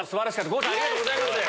郷さんありがとうございます！